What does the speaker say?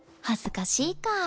恥ずかしいか。